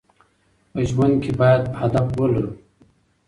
په ژوند کې باید هدف ولرو.